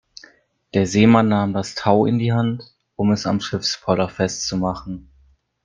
Der Seemann nahm das Tau in die Hand, um es am Schiffspoller festzumachen.